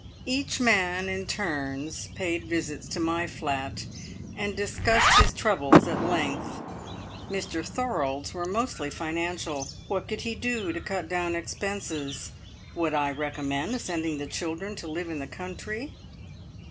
Each man in turns paid visits to my flat, and discussed his troubles at length. Mr Thorold's were mostly financial. What could he do to cut down expenses? Would I recommend sending the children to live in the country?